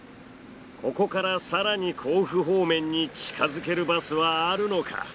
ここから更に甲府方面に近づけるバスはあるのか！？